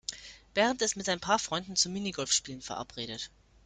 Bernd ist mit ein paar Freunden zum Minigolfspielen verabredet.